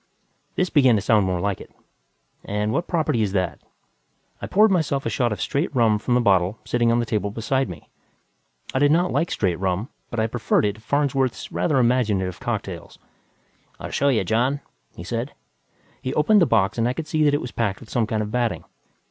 This began to sound more like it. "And what property is that?" I poured myself a shot of straight rum from the bottle sitting on the table beside me. I did not like straight rum, but I preferred it to Farnsworth's rather imaginative cocktails. "I'll show you, John," he said. He opened the box and I could see that it was packed with some kind of batting.